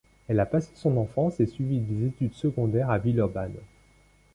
Elle a passé son enfance et suivi des études secondaires à Villeurbanne.